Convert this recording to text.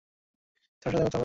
তার সাথে কথা বলো।